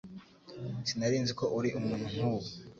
Sinari nzi ko uri umuntu nkuwo.